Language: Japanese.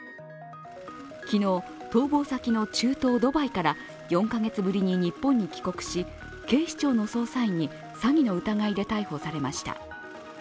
昨日、逃亡先の中東ドバイから４カ月ぶりに日本に帰国し警視庁の捜査員に詐欺の疑いで逮捕されました。